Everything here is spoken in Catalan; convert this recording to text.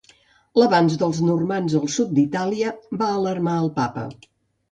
L'avanç dels normands al sud d'Itàlia va alarmar el Papa.